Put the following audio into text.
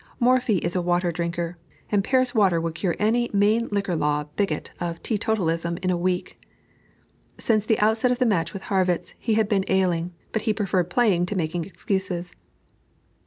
Morphy is a water drinker, and Paris water would cure any Maine Liquor Law bigot of Teetotalism in a week. Since the outset of the match with Harrwitz, he had been ailing, but he preferred playing to making excuses.